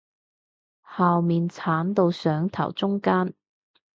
後面剷到上頭中間